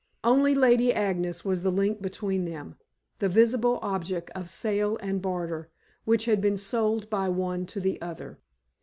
Only Lady Agnes was the link between them, the visible object of sale and barter, which had been sold by one to the other.